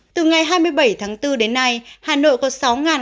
trong đó có nhiều f là nhân viên một quán karaoke toàn hảo trên địa bàn